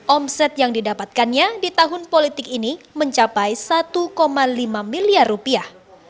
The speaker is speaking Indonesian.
omset yang didapatkannya di tahun politik ini mencapai satu lima miliar rupiah